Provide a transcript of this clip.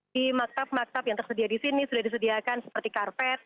di maktab maktab yang tersedia di sini sudah disediakan seperti karpet